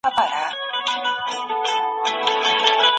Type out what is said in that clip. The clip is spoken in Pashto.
که چا غلا وکړه نو قانون پرې پلي کړئ.